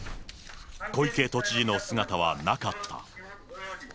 小池都知事の姿はなかった。